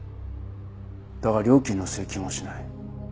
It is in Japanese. だが料金の請求もしない。